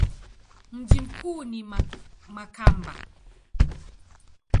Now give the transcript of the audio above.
Mji mkuu ni Makamba.